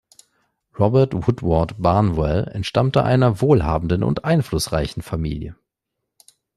Robert Woodward Barnwell entstammte einer wohlhabenden und einflussreichen Familie.